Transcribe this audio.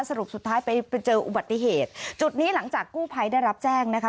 สรุปสุดท้ายไปเจออุบัติเหตุจุดนี้หลังจากกู้ภัยได้รับแจ้งนะคะ